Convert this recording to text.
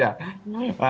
ya salah saja